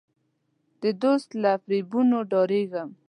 د دوست له فریبونو ډارېږم.